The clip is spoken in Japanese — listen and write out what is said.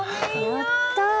やった！